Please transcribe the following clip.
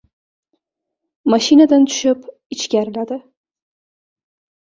Mashinadan tushib ichkariladi.